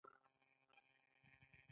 خلک د سکي لپاره هلته ځي.